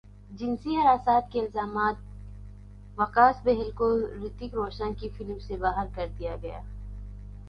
جنسی ہراساں کے الزامات وکاس بہل کو ہریتھک روشن کی فلم سے باہر کردیا گیا